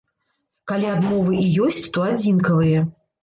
Калі адмовы і ёсць, то адзінкавыя.